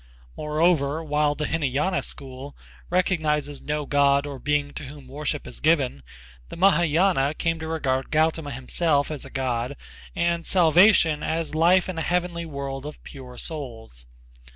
Moreover, while the Hînayâna school recognizes no god or being to whom worship is given, the Mahâyanâ came to regard Gautama himself as a god and salvation as life in a heavenly world of pure souls.